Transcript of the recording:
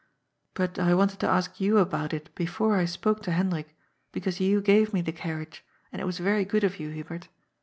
But I wanted to ask you about it, before I spoke to Hendrik, because you gave me the car riage, and it was very good of you, Hubert.